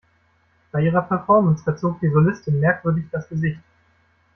Bei ihrer Performance verzog die Solistin merkwürdig das Gesicht.